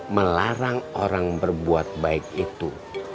melarang orang berbuat baik itu